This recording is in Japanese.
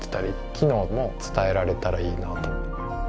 機能も伝えられたらいいなと。